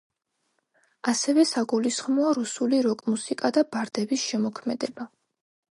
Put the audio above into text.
ასევე საგულისხმოა რუსული როკ-მუსიკა და ბარდების შემოქმედება.